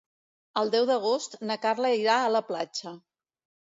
El deu d'agost na Carla irà a la platja.